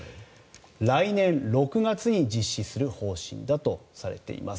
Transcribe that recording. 来年６月に実施する方針だとされています。